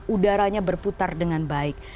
udaranya berputar dengan baik